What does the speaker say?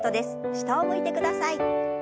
下を向いて下さい。